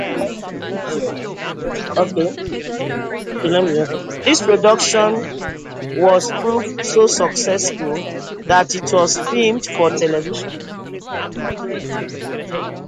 This production proved so successful that it was filmed for television.